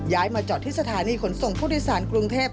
มาจอดที่สถานีขนส่งผู้โดยสารกรุงเทพ